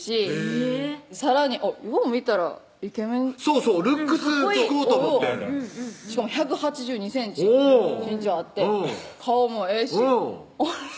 へぇさらによう見たらイケメンそうそうルックスかっこいいしかも１８２ｃｍ身長あって顔もええしあれ？